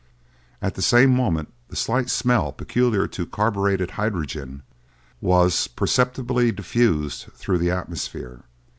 At the same moment the slight smell peculiar to carburetted hydrogen was perceptibly diffused through the atmosphere.